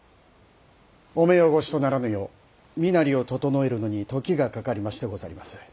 お目汚しとならぬよう身なりを整えるのに時がかかりましてござります。